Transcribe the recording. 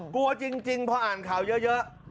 กลัวจริงพออ่านข่าวเยอะ